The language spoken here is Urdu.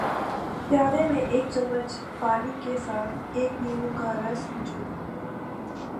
پیالے میں ایک چمچ پانی کے ساتھ ایک لیموں کا رس نچوڑیں